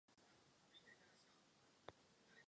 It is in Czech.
Jsou k němu připomínky?